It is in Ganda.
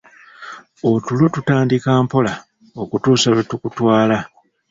Otulo tutandika mpola okutuusa lwe tukutwala.